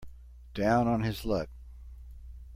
Down on his luck.